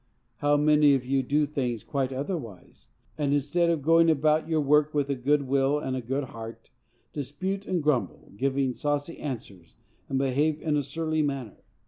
_ How many of you do things quite otherwise, and, instead of going about your work with a good will and a good heart, dispute and grumble, give saucy answers, and behave in a surly manner!